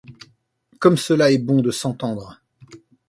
Comme cela est bon de s’entendre !